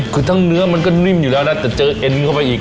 คือทั้งเนื้อมันก็นิ่มอยู่แล้วนะแต่เจอเอ็นเข้าไปอีก